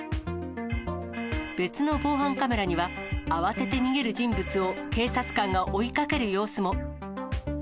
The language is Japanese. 別の防犯カメラには、慌てて逃げる人物を警察官が追いかける様子も。